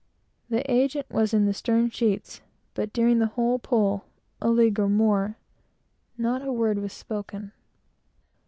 The agent was in the stern sheets, but during the whole pull a league or more not a word was spoken.